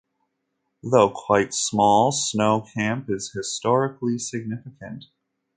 Though quite small, Snow Camp is historically significant.